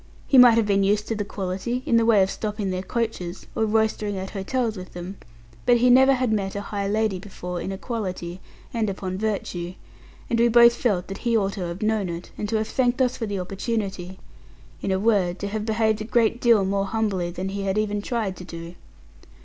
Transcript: He might have been used to the quality, in the way of stopping their coaches, or roystering at hotels with them; but he never had met a high lady before, in equality, and upon virtue; and we both felt that he ought to have known it, and to have thanked us for the opportunity, in a word, to have behaved a great deal more humbly than he had even tried to do.